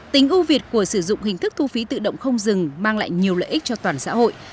tính ưu việt của sử dụng hình thức thu phí tự động không dừng mang lại nhiều lợi ích cho toàn xã hội